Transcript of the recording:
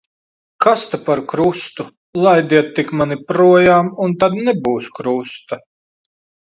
Kas ta par krustu. Laidiet tik mani projām, un tad nebūs krusta.